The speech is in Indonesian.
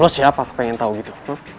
lo siapa pengen tahu gitu